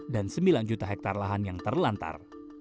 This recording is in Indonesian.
dan sembilan juta hektare lahan yang terlantar